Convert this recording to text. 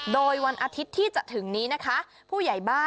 โดยวันอาทิตย์ที่จะถึงนี้นะคะ